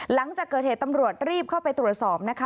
หลังจากเกิดเหตุตำรวจรีบเข้าไปตรวจสอบนะคะ